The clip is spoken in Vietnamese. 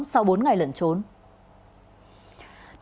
sau bốn ngày lần trước